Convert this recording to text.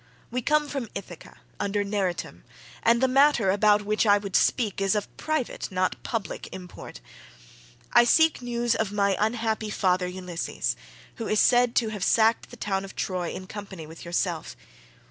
We come from Ithaca under Neritum,28 and the matter about which I would speak is of private not public import. I seek news of my unhappy father Ulysses, who is said to have sacked the town of Troy in company with yourself.